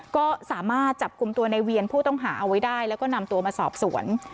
ก็สามารถจับกลุ่มตัวในเวียนผู้ต้องหาเอาไว้ได้แล้วก็นำตัวมาสอบสวน